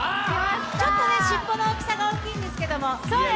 ちょっと尻尾が大きいんですけど。